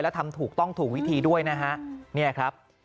แล้วทำถูกต้องถูกวิธีด้วยนะฮะเนี่ยครับ